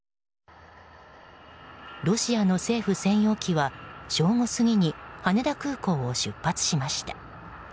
ロシアの政府専用機は正午過ぎに羽田空港を出発しました。